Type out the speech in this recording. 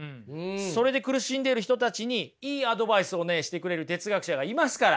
それで苦しんでいる人たちにいいアドバイスをしてくれる哲学者がいますから。